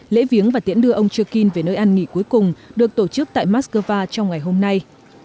lễ viếng và tiễn đưa ông trukin về nơi ăn nghỉ cuối cùng được tổ chức tại moscow trong ngày hôm nay